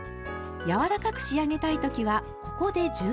柔らかく仕上げたい時はここで柔軟剤を。